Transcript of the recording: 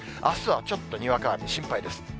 あすはちょっとにわか雨心配です。